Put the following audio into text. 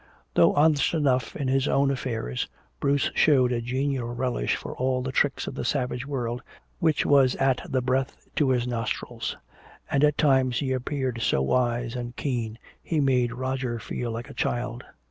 Though honest enough in his own affairs, Bruce showed a genial relish for all the tricks of the savage world which was as the breath to his nostrils. And at times he appeared so wise and keen he made Roger feel like a child.